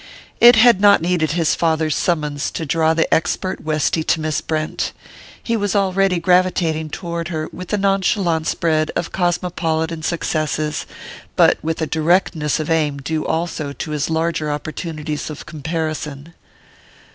It had not needed his father's summons to draw the expert Westy to Miss Brent: he was already gravitating toward her, with the nonchalance bred of cosmopolitan successes, but with a directness of aim due also to his larger opportunities of comparison.